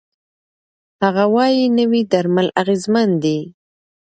هغه وايي، نوي درمل اغېزمن دي.